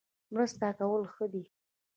مرسته کول ښه دي